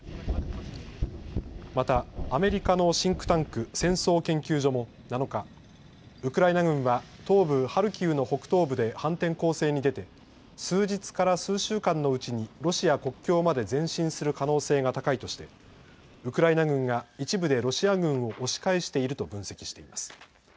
またアメリカのシンクタンク、戦争研究所も７日、ウクライナ軍は東部ハルキウの北東部で反転攻勢に出て数日から数週間のうちにロシア国境まで前進する可能性が高いとしてウクライナ軍が一部でロシア軍を押し返していると分析しています。